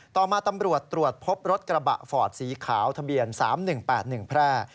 ต่อมาตำรวจตรวจพบรถกระบะฟอร์ดสีขาวทะเบียน๓๑๘๑แพร่